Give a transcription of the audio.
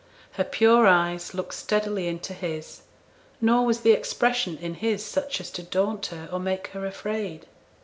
Her pure eyes looked steadily into his; nor was the expression in his such as to daunt her or make her afraid.